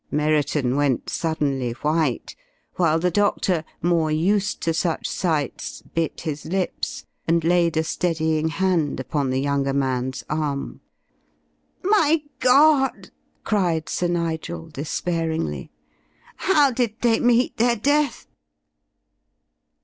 Merriton went suddenly white, while the doctor, more used to such sights, bit his lips and laid a steadying hand upon the younger man's arm. "My God!" cried Sir Nigel, despairingly. "How did they meet their death?"